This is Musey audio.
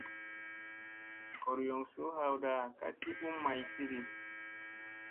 Gooryoŋ suu hawɗa ka ti u maysiiɗi.